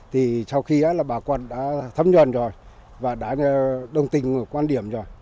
thì sau khi là bà con đã thấm nhuận rồi và đã đồng tình quan điểm rồi